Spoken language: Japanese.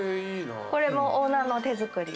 これもオーナーの手作り。